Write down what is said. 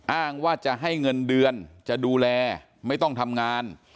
อ้างว่าจะให้เงินเดือนจะดูแลไม่ต้องทำงาน